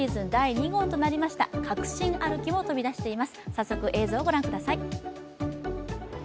早速映像をご覧ください。